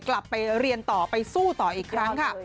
กลับไปเรียนต่อไปสู้ต่ออีกครั้งค่ะ